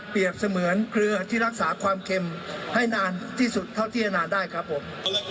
เสมือนเกลือที่รักษาความเค็มให้นานที่สุดเท่าที่จะนานได้ครับผม